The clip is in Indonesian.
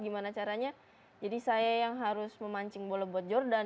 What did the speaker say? gimana caranya jadi saya yang harus memancing bola buat jordan